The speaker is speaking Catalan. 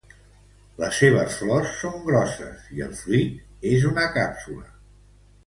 Les seves flors són grosses i el fruit és una càpsula.